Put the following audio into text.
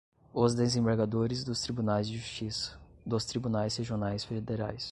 os desembargadores dos Tribunais de Justiça, dos Tribunais Regionais Federais